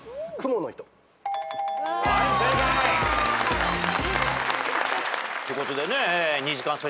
はい正解。ということでね。